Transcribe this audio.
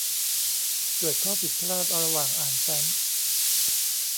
เกิดข้อผิดพลาดระหว่างอ่านแฟ้ม